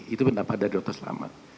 itu pendapat dari dokter selamat